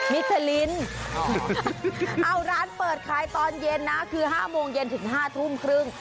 มิชลินเอาร้านเปิดขายตอนเย็นนะคือ๕โมงเย็นถึง๕ทุ่มครึ่ง